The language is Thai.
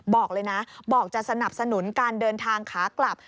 บอกเลยนะบอกจะสนับสนุนการเดินทางขากลับ